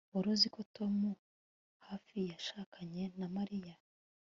Wari uzi ko Tom hafi yashakanye na Mariya